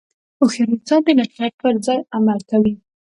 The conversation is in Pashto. هوښیار انسان د نصیحت پر ځای عمل ښيي.